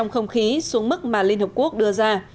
không khí xuống mức mà liên hợp quốc đưa ra